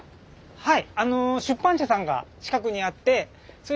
はい。